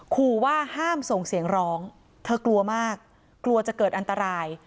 ขู่ว่าห้ามส่งเสียงร้องเธอกลัวมากกลัวจะเกิดอันตราย